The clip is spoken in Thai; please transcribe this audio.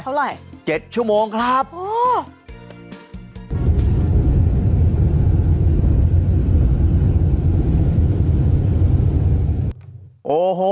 เท่าไหร่๗ชั่วโมงครับโอ้โห